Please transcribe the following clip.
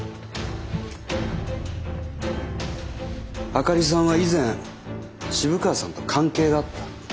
灯里さんは以前渋川さんと関係があった。